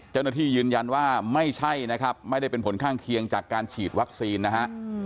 เจ้าหน้าที่ยืนยันว่าไม่ใช่นะครับไม่ได้เป็นผลข้างเคียงจากการฉีดวัคซีนนะฮะ